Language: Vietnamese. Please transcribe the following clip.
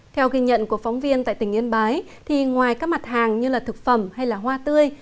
theo ghi nhận của phóng viên tại tỉnh yên bái thì ngoài các mặt hàng như là thực phẩm hay hoa tươi